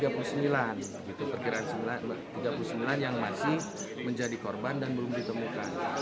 itu perkiraan tiga puluh sembilan yang masih menjadi korban dan belum ditemukan